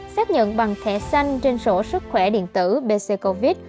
xác nhận bằng thẻ xanh trên sổ sức khỏe điện tử bccovid